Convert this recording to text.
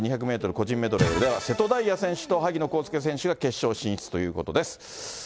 個人メドレーでは、瀬戸大也選手と萩野公介選手が決勝進出ということです。